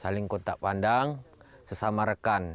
saling kontak pandang sesama rekan